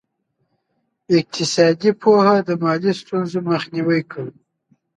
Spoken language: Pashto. اقتصادي سواد د مالي ستونزو مخنیوی کوي.